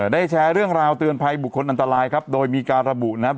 ได้แชร์เรื่องราวเตือนภัยบุคคลอันตรายครับโดยมีการระบุนะครับ